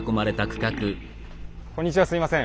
こんにちはすいません。